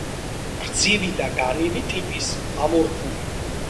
გრძივი და განივი ტიპის, ამორფული.